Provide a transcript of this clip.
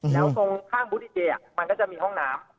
แล้วตรงข้างบูธดีเจมันก็จะมีห้องน้ำ